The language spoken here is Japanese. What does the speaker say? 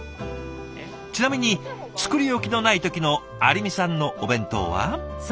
ちなみに作り置きのない時の有美さんのお弁当は。